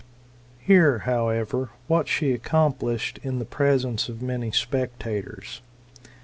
'* Hear, however, what she accomplished in the presence ot many spectators.